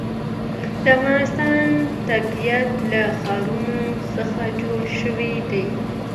د افغانستان طبیعت له ښارونه څخه جوړ شوی دی.